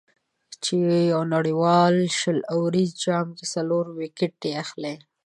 چې په یو نړیوال شل اوریز جام کې څلور ویکټې اخلي.